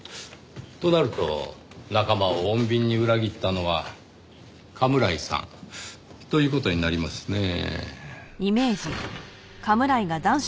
となると仲間を穏便に裏切ったのは甘村井さんという事になりますねぇ。